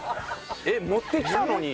えっ持ってきたのに？